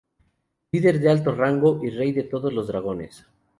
Líder de alto rango y Rey de todos los dragones.